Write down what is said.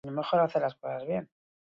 Dagoeneko bi disko kaleratu ditu.